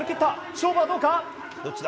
勝負はどうなる？